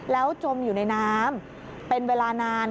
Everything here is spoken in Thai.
แล้วจมอยู่ในน้ำเป็นเวลานาน